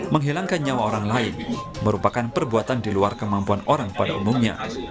menghilangkan nyawa orang lain merupakan perbuatan di luar kemampuan orang pada umumnya